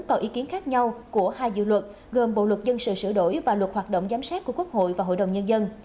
có ý kiến khác nhau của hai dự luật gồm bộ luật dân sự sửa đổi và luật hoạt động giám sát của quốc hội và hội đồng nhân dân